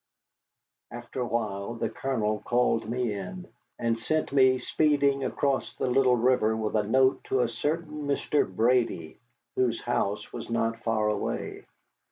After a while the Colonel called me in, and sent me speeding across the little river with a note to a certain Mr. Brady, whose house was not far away.